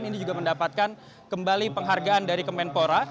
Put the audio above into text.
dan ini juga mendapatkan kembali penghargaan dari kemenpora